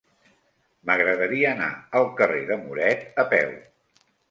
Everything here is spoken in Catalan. M'agradaria anar al carrer de Muret a peu.